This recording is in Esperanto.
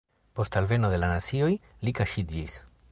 Post alveno de la nazioj li kaŝiĝis.